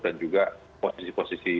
dan juga posisi posisi